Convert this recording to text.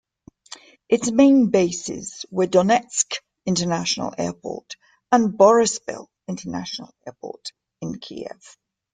Its main bases were Donetsk International Airport and Boryspil International Airport in Kiev.